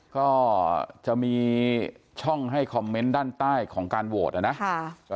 ก็จะมีช่องให้คอมเมนต์ด้านใต้ของการโหวตนะนะ